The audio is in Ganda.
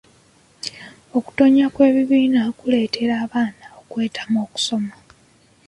Okutonnya kw'ebibiina kuleetera abaana okwetamwa essomero.